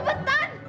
ah betul banget sih